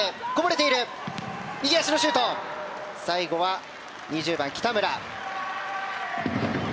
最後は２０番、北村。